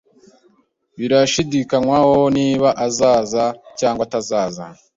Birashidikanywaho niba azaza cyangwa atazaza